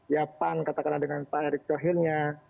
japan katakanlah dengan pak erick sohirnya